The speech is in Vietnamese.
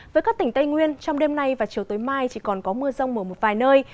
với các tỉnh tây nguyên trong đêm nay và chiều tối mai chỉ còn có mưa rông ở một vài nơi